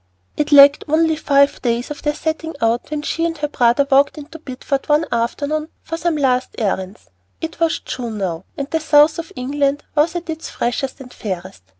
It lacked only five days of their setting out when she and her brother walked into Bideford one afternoon for some last errands. It was June now, and the south of England was at its freshest and fairest.